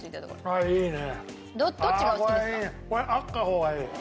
あった方がいい。